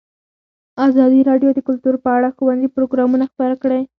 ازادي راډیو د کلتور په اړه ښوونیز پروګرامونه خپاره کړي.